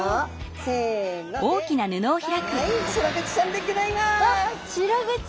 せのではいシログチちゃんでギョざいます！